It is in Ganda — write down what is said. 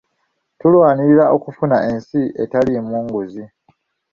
Tulwanirira okufuna ensi etalimu nguzi.